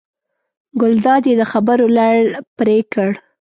ګلداد یې د خبرو لړ پرې کړ.